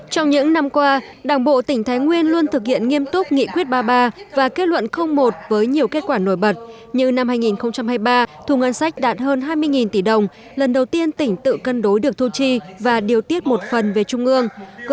trong những năm qua đảng bộ tỉnh thái nguyên luôn thực hiện nghiêm túc nghị quyết ba mươi ba và kết luận một với nhiều kết quả nổi bật như năm hai nghìn hai mươi ba thu ngân sách đạt hơn hai mươi tỷ đồng lần đầu tiên tỉnh tự cân đối được thu chi và điều tiết một phần về trung ương